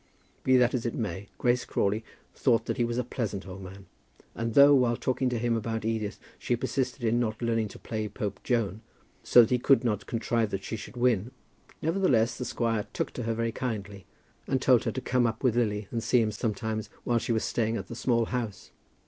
Be that as it may, Grace Crawley thought that he was a pleasant old man; and though, while talking to him about Edith, she persisted in not learning to play Pope Joan, so that he could not contrive that she should win, nevertheless the squire took to her very kindly, and told her to come up with Lily and see him sometimes while she was staying at the Small House.